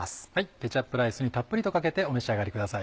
ケチャップライスにたっぷりとかけてお召し上がりください。